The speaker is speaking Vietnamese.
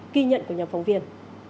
ghi nhận của nhóm phóng viên